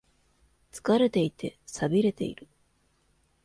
疲れていて、寂れている。